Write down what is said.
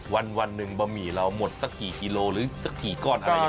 วันหนึ่งบะหมี่เราหมดสักกี่กิโลหรือสักกี่ก้อนอะไรอย่างนี้